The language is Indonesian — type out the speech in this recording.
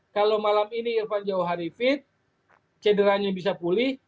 kalau malam ini irfan jawahari fit cederanya bisa pulih